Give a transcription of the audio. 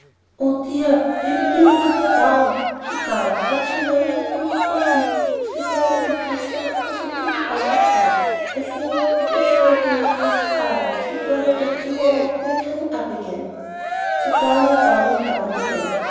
"Oh dear! we are beginning to go down," she cried, watching one of the beautiful peaks of the Sangre de Cristos as it dipped out of sight. "I think I could find it in my heart to cry, if it were not that to morrow we are coming up again." So down, down, down they went.